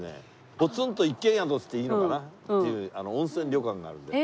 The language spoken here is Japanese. ポツンと一軒宿って言っていいのかな温泉旅館があるんだよ。